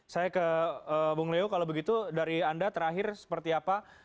saya ke bung leo kalau begitu dari anda terakhir seperti apa